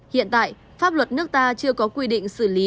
hiện tại pháp luật nước ta chưa có quy định xử lý